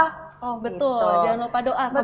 oh betul jangan lupa doa sobat rupiah